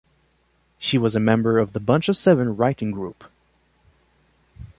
She was a member of the Bunch of Seven writing group.